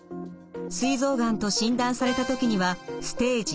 すい臓がんと診断された時にはステージⅢ。